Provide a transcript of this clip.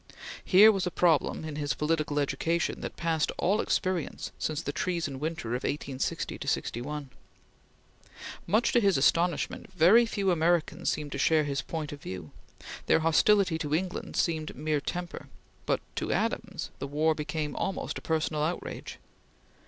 Here was a problem in his political education that passed all experience since the Treason winter of 1860 61! Much to his astonishment, very few Americans seemed to share his point of view; their hostility to England seemed mere temper; but to Adams the war became almost a personal outrage.